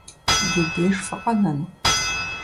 Ди деж фыкъэнэну?